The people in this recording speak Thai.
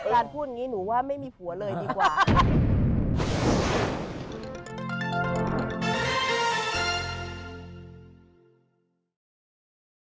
พูดอย่างนี้หนูว่าไม่มีผัวเลยดีกว่า